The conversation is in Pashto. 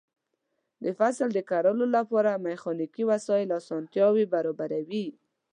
د فصل د کرلو لپاره میخانیکي وسایل اسانتیاوې برابروي.